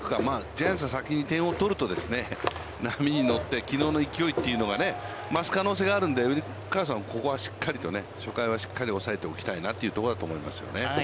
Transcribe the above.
ジャイアンツは先に点を取ると、波に乗ってきのうの勢いというのがね、増す可能性があるので、ウィルカーソンはここはしっかりと初回はしっかり抑えておきたいなというところだと思いますね。